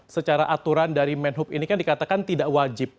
secara aturan dari menhub ini kan dikatakan tidak wajib